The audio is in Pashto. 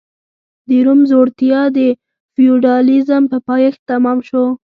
د روم ځوړتیا د فیوډالېزم په پایښت تمام شو